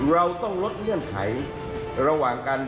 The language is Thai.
เราต้องลดเงื่อนไขระหว่างกัน